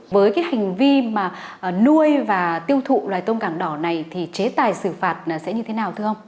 với cái hành vi mà nuôi và tiêu thụ loài tôm càng đỏ này thì chế tài xử phạt sẽ như thế nào thưa ông